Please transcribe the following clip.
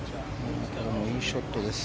いいショットです。